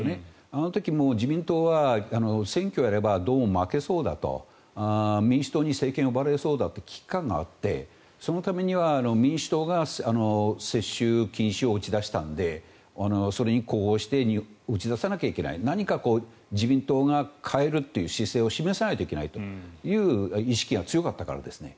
あの時も自民党は選挙をやればどうも負けそうだと民主党に政権を奪われそうだという危機感があってそのためには民主党が世襲禁止を打ち出したのでそれに呼応して打ち出さなきゃいけない何か自民党が変えるという姿勢を示さないといけないという意識が強かったからですね。